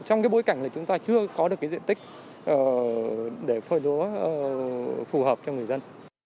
trong bối cảnh chúng ta chưa có được diện tích để phơi lúa phù hợp cho người dân